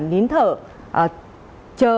nín thở chờ